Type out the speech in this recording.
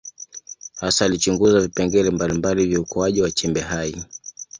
Hasa alichunguza vipengele mbalimbali vya ukuaji wa chembe hai.